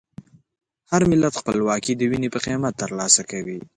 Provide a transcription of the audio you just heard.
هر ملت خپلواکي د وینې په قیمت ترلاسه کوي.